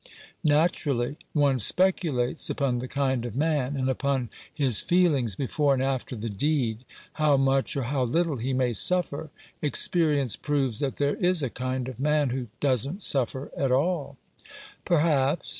"Naturally. One speculates upon the kind of man, and upon his feelings before and after the deed ; how much or how little he may suffer. Experience proves that there is a kind of man who doesn't suffer at all." "Perhaps.